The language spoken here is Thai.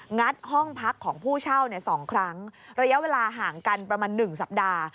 งัดห้องพักของผู้เช่า๒ครั้งระยะเวลาห่างกันประมาณ๑สัปดาห์